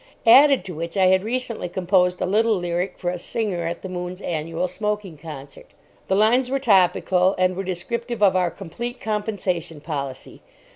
Added to which, I had recently composed a little lyric for a singer at the "Moon's" annual smoking concert. The lines were topical and were descriptive of our Complete Compensation Policy.